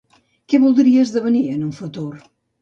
Què voldria esdevenir en un futur?